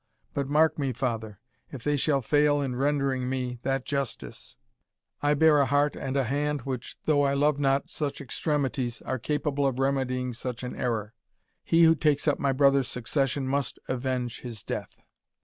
But mark me, father, if they shall fail in rendering me that justice, I bear a heart and a hand which, though I love not such extremities, are capable of remedying such an error. He who takes up my brother's succession must avenge his death."